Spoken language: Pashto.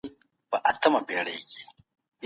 داخلي تولیداتو ته بازارموندنه کیږي.